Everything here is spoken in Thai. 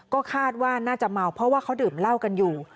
ก็คาดว่าน่าจะเมาเพราะว่าเขาดื่มเหล้ากันอยู่